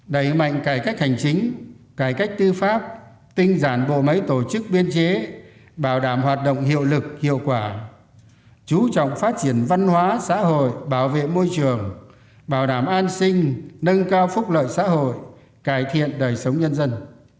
đẩy mạnh cải cách hành chính cải cách tư pháp tinh giản bộ máy tổ chức biên chế bảo đảm hoạt động hiệu lực hiệu quả chú trọng phát triển văn hóa xã hội bảo vệ môi trường bảo đảm an sinh nâng cao phúc lợi xã hội cải thiện đời sống nhân dân